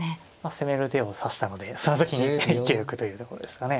攻める手を指したのでその時に勢いよくというところですかね。